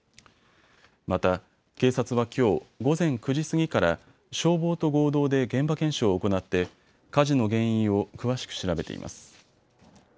また、警察はきょう午前９時過ぎから消防と合同で現場検証を行って火事の原因を詳しく調べています。